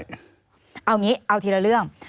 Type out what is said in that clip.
เอาอย่างนี้เอาทีละเรื่อง